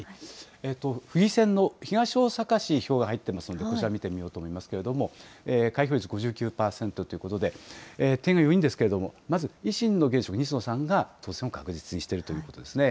府議選の東大阪市、票が入ってますので、こちら見てみようと思いますけれども、開票率５９％ということで、定員４人ですけれども、まず、維新の現職、西野さんが当選を確実にしているということですね。